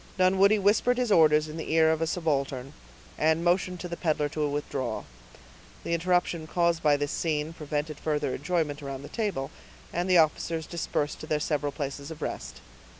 Dunwoodie whispered his orders in the ear of a subaltern, and motioned to the peddler to withdraw. The interruption caused by this scene prevented further enjoyment around the table, and the officers dispersed to their several places of rest.